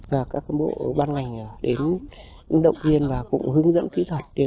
và các bộ ban ngành đến động viên và cũng hướng dẫn kỹ thuật